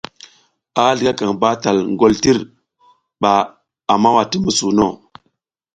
A zligakaƞ batal ngoltir ɓa a mawa ti musuwuno.